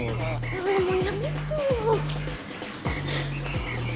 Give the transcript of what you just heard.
ああもうやめてよ。